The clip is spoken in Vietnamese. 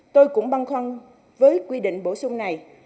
tôi cũng băn khoăn với quy định bổ sung này